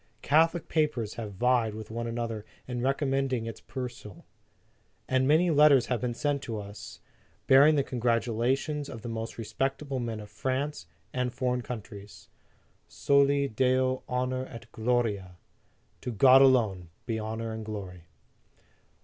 Catholic papers have vied with one another in recom mending its perusal, and many letters have been sent to us, bearing the congratulations of the most respectable men of France and foreign countries : Soli Deo honor et gloria, to God alone be honor and glory.